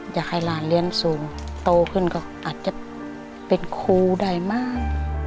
อยากให้หลานเรียนสูงโตขึ้นก็อาจจะเป็นครูได้มาก